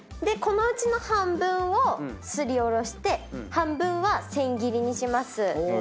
このうちの半分をすりおろして半分は千切りにします。